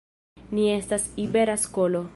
Ni estas Ibera Skolo.